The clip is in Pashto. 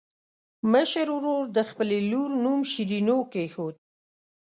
مشر ورور د خپلې لور نوم شیرینو کېښود.